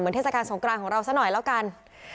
เหมือนเทศกาลสงครามของเราซะหน่อยแล้วกัน